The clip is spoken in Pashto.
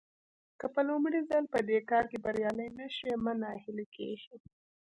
که په لومړي ځل په دې کار کې بريالي نه شوئ مه ناهيلي کېږئ.